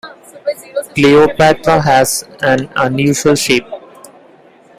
Kleopatra has an unusual shape.